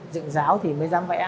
dựng giáo thì mới dám vẽ